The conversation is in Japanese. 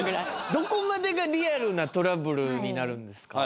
どこまでがリアルなトラブルになるんですか？